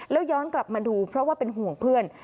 แล้วย้อนกลับมาดูเพราะว่าเป็นห่วงเพื่อน